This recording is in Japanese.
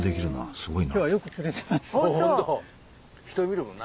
すごいな。